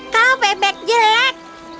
kau bebek jelek